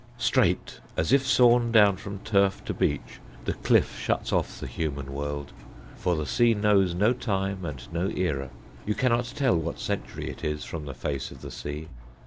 Straight, as if sawn down from turf to beach, the cliff shuts off the human world, for the sea knows no time and no era; you cannot tell what century it is from the face of the sea.